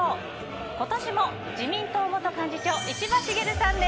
今年も自民党元幹事長石破茂さんです。